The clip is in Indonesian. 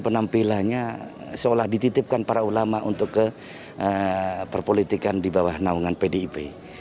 penampilannya seolah dititipkan para ulama untuk ke perpolitikan di bawah naungan pdip